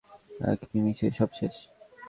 এক নিমিষেই সব শেষ!